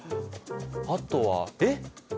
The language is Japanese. あとはえっ！？